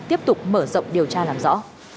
tiếp tục mở rộng điều tra làm rõ